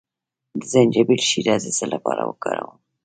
د زنجبیل شیره د څه لپاره وکاروم؟